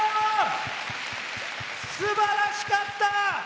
すばらしかった！